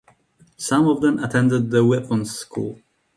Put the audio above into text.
Some of them attended the weapons school.